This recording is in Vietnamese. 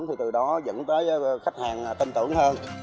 thì từ đó dẫn tới khách hàng tin tưởng hơn